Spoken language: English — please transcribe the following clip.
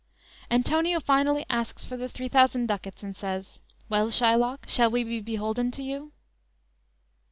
"_ Antonio finally asks for the three thousand ducats, and says: _"Well, Shylock, shall we be beholden to you?"